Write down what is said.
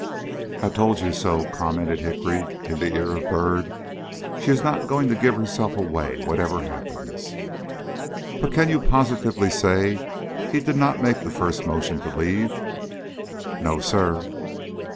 "I told you so," commented Hickory, in the ear of Byrd. "She is not going to give herself away, whatever happens." "But can you positively say he did not make the first motion to leave?" "No, sir."